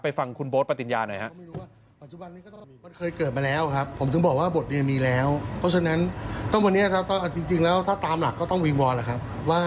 ฟังคุณโบ๊ทปฏิญญาหน่อยครับ